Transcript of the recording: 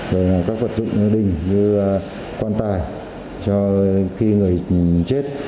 và các vật dụng đình như quan tài cho khi người chết